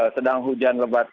sedang hujan lebat